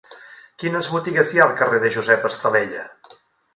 Quines botigues hi ha al carrer de Josep Estalella?